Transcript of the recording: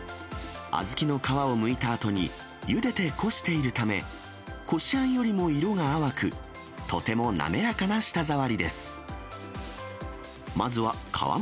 小豆の皮をむいたあとに、ゆでてこしているため、こしあんよりも色が淡く、とても滑らかな舌触りです。